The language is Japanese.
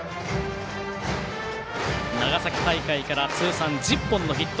長崎大会から通算１０本のヒット。